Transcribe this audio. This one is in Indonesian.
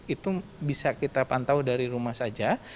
itu bisa kita pantau dari rumah saja